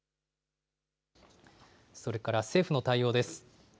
それから政府の対応です。